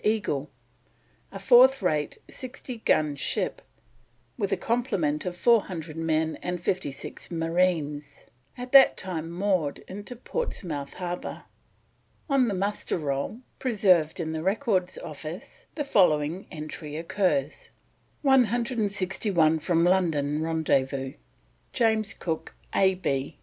Eagle, a fourth rate, 60 gun ship, with a complement of 400 men and 56 marines, at that time moored in Portsmouth Harbour. On the Muster Roll, preserved in the Records Office, the following entry occurs: "161 from London rendezvous, James Cook, A.B.